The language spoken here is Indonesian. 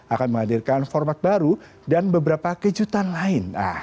akan menghadirkan format baru dan beberapa kejutan lain